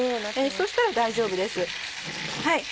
そしたら大丈夫です。